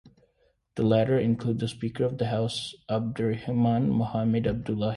The latter include the Speaker of the House, Abdirahman Mohamed Abdullahi.